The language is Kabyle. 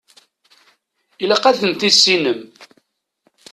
Ilaq ad ten-tissinem.